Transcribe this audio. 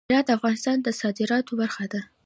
هرات د افغانستان د صادراتو برخه ده.